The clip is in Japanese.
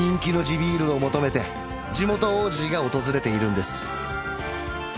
ビールを求めて地元オージーが訪れているんです